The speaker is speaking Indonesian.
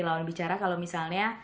lawan bicara kalau misalnya